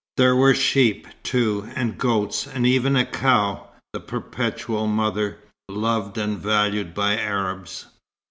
There were sheep, too, and goats; and even a cow, the "perpetual mother" loved and valued by Arabs.